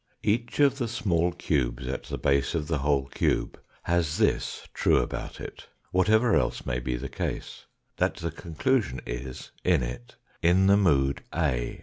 Each of the small cubes at the base of the whole cube has this true about it, whatever else may be the case, that the conclusion is, in it, in the mood A.